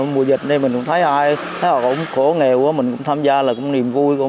mùa dịch này mình cũng thấy ai thấy họ cũng khổ nghèo mình cũng tham gia là niềm vui của mình